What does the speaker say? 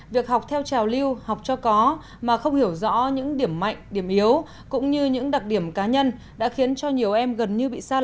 việc học theo trào lưu học cho có mà không hiểu rõ những điểm mạnh điểm yếu cũng như những đặc điểm cá nhân đã khiến cho nhiều em gần như bị xa lầy trong những quyết định của mình